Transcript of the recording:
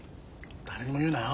誰にも言うなよ。